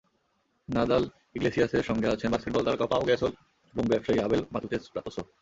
নাদাল-ইগলেসিয়াসের সঙ্গে আছেন বাস্কেটবল তারকা পাও গ্যাসল এবং ব্যবসায়ী আবেল মাতুতেস প্রাতসও।